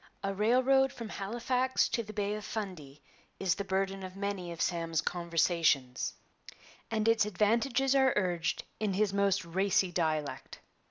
'A railroad from Halifax to the Bay of Fundy' is the burden of many of Sam's conversations, and its advantages are urged in his most racy dialect.